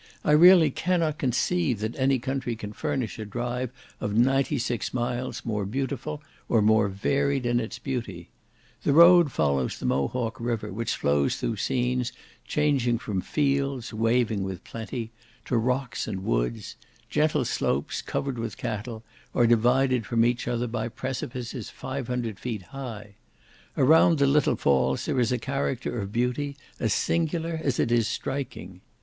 I really cannot conceive that any country can furnish a drive of ninety six miles more beautiful, or more varied in its beauty. The road follows the Mohawk River, which flows through scenes changing from fields, waving with plenty, to rocks and woods; gentle slopes, covered with cattle, are divided from each other by precipices 500 feet high. Around the little falls there is a character of beauty as singular as it is striking.